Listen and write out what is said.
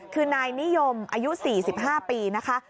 คือนายนิยมอายุ๔๕ปีนะคะ